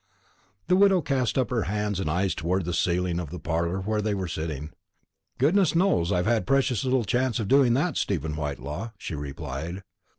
The widow cast up her hands and eyes towards the ceiling of the parlour where they were sitting. "Goodness knows I've had precious little chance of doing that, Stephen Whitelaw," she replied.